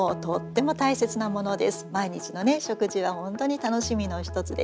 毎日の食事は本当に楽しみの一つです。